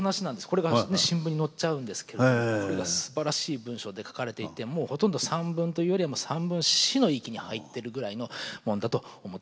これが新聞に載っちゃうんですけれどもこれがすばらしい文章で書かれていてもうほとんど散文というよりは散文詩の域に入ってるぐらいのもんだと思っております。